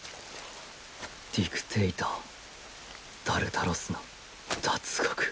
ディクテイタータルタロスのダツゴク。